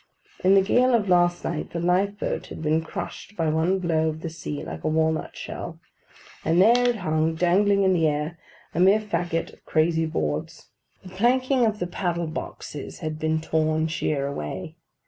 In the gale of last night the life boat had been crushed by one blow of the sea like a walnut shell; and there it hung dangling in the air: a mere faggot of crazy boards. The planking of the paddle boxes had been torn sheer away.